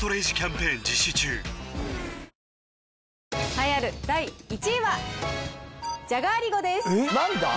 栄えある第１位はじゃがアリゴです。